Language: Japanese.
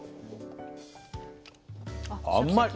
甘い。